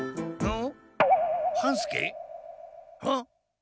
・ん？